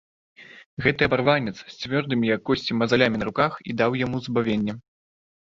Гэты абарванец з цвёрдымі, як косці, мазалямі на руках і даў яму збавенне.